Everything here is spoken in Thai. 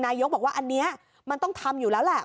นายกบอกว่าอันนี้มันต้องทำอยู่แล้วแหละ